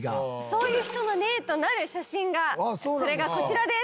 そういう人の例となる写真がそれがこちらです。